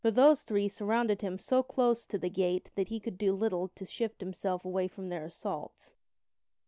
For those three surrounded him so close to the gate that he could do little to shift himself away from their assaults.